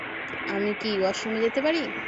আমি কি ওয়াশরুমে যেতে পারি?